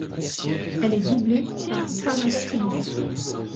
Elle est doublée par Tara Strong.